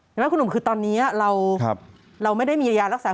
ไหมคุณหนุ่มคือตอนนี้เราไม่ได้มียารักษา